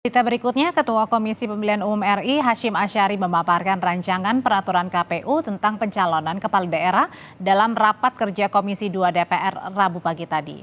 berita berikutnya ketua komisi pemilihan umum ri hashim ashari memaparkan rancangan peraturan kpu tentang pencalonan kepala daerah dalam rapat kerja komisi dua dpr rabu pagi tadi